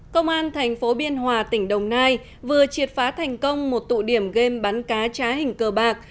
công an thành phố biên hòa tỉnh đồng nai vừa triệt phá thành công một tụ điểm game bắn cá trá hình cờ bạc